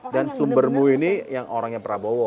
dan sumbermu ini yang orangnya prabowo